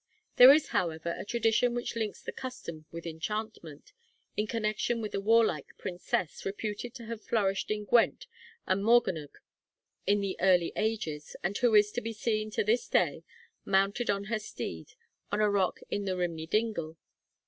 There is, however, a tradition which links the custom with enchantment, in connection with a warlike princess, reputed to have flourished in Gwent and Morganwg in the early ages, and who is to be seen to this day, mounted on her steed, on a rock in Rhymney Dingle.